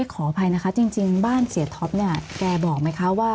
ขออภัยนะคะจริงบ้านเสียท็อปแกบอกไหมคะ